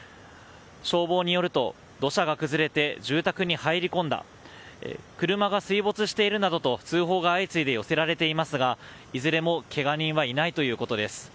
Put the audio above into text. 消防によると土砂が崩れて住宅に入り込んだ車が水没しているなどと通報が相次いで寄せられていますがいずれもけが人はいないということです。